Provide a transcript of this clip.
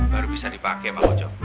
baru bisa dipakai sama ojo